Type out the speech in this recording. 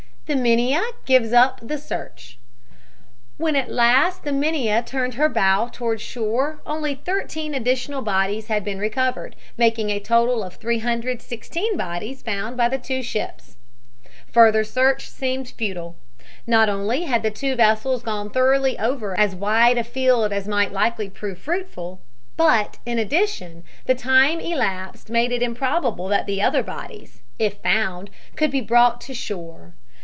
THE MINIA GIVES UP THE SEARCH When at last the Minia turned her bow toward shore only thirteen additional bodies had been recovered, making a total of 316 bodies found by the two ships. Further search seemed futile. Not only had the two vessels gone thoroughly over as wide a field as might likely prove fruitful, but, in addition, the time elapsed made it improbable that other bodies, if found, could be brought to shore.